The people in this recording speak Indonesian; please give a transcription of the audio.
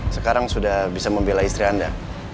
sekarang sudah bisa membela istri anda